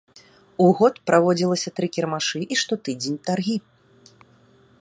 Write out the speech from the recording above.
У год праводзілася тры кірмашы і штотыдзень таргі.